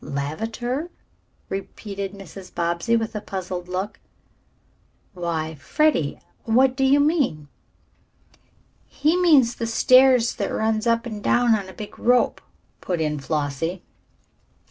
"Lavater?" repeated Mrs. Bobbsey, with a puzzled look. "Why, Freddie, what do you mean?" "He means the stairs that runs up and down on a big rope," put in Flossie.